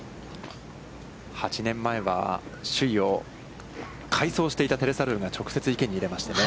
８年前は、首位を快走していたテレサ・ルーが直接、池に入れましてね。